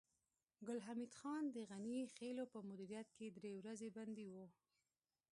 ګل حمید خان د غني خېلو په مدیریت کې درې ورځې بندي و